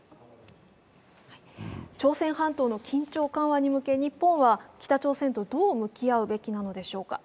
朝鮮半島の緊張緩和に向け、日本は北朝鮮とどう向き合うべきなんでしょうか。